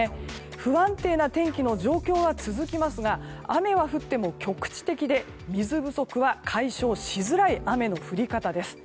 不安定な天気の状況は続きますが雨は降っても局地的で水不足は解消しづらい雨の降り方です。